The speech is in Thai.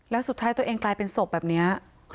แล้วสุดท้ายตัวเองกลายเป็นศพแบบนี้